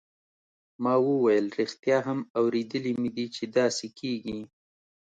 ما وویل ریښتیا هم اوریدلي مې دي چې داسې کیږي.